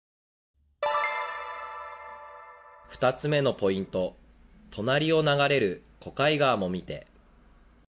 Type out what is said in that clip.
２つ目のポイント、隣を流れる小貝川も見て。